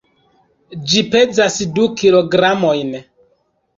Ĝi pezas du kilogramojn.